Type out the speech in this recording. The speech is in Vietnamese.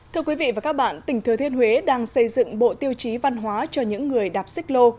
thưa quý vị và các bạn tỉnh thừa thiên huế đang xây dựng bộ tiêu chí văn hóa cho những người đạp xích lô